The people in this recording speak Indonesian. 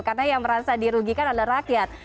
karena yang merasa dirugikan adalah rakyat